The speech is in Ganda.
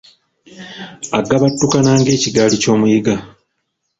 Agabattukana ng’ekigaali ky’omuyiga.